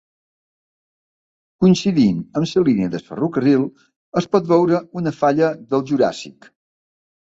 Coincidint amb la línia del ferrocarril es pot veure una falla del Juràssic.